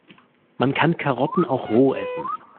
Man kann Karotten auch roh essen.